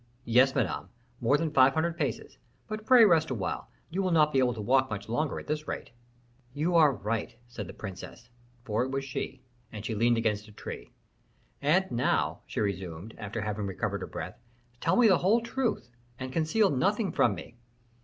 "Yes, Madame, more than five hundred paces; but pray rest awhile, you will not be able to walk much longer at this rate." "You are right," said the princes, for it was she; and she leaned against a tree. "And now," she resumed, after having recovered her breath, "tell me the whole truth, and conceal nothing from me."